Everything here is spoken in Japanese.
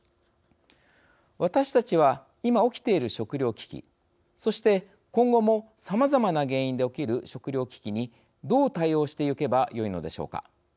私たちは今、起きている食料危機そして、今後もさまざまな原因で起きる食料危機にどう対応してゆけばよいのでしょうか。